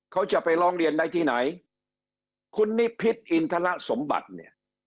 เขาจะไปร้องเรียนได้ที่ไหนคุณนิพิษอินทรสมบัติเนี่ย